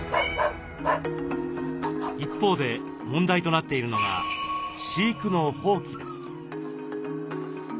一方で問題となっているのが飼育の放棄です。